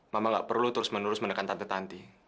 mama gak perlu terus menerus menekan tante tanti